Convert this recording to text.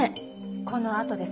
このあとです。